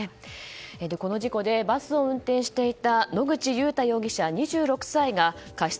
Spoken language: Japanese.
この事故でバスを運転していた野口祐太容疑者、２６歳が過失